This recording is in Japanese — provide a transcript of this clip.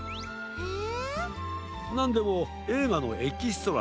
へえ！